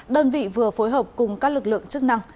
đơn vị vừa phối hợp cùng các lực lượng chức năng